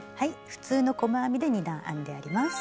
普通の細編みで２段編んであります。